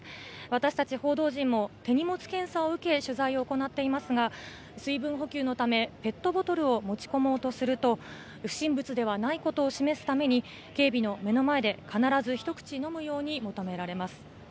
私たち報道陣も、手荷物検査を受け、取材を行っていますが、水分補給のため、ペットボトルを持ち込もうとすると、不審物ではないことを示すために、警備の目の前で、必ず一口飲むように求められます。